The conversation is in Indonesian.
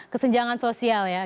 kesenjangan sosial ya